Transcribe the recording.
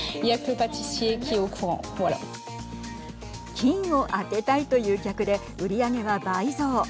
金を当てたいという客で売り上げは倍増。